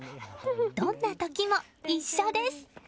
どんな時も一緒です。